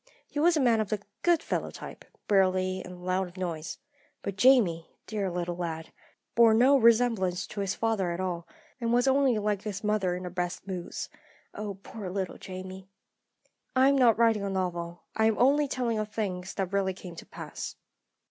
He was a man of the 'good fellow' type burly, and loud of voice. But Jamie, dear little lad, bore no resemblance to his father at all, and was only like his mother in her best moods. Oh, poor little Jamie! "I am not writing a novel; I am only telling of things that really came to pass.